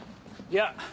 いや。